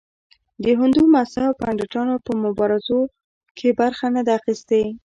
د هندو مذهب پنډتانو په مبارزو کې برخه نه ده اخیستې.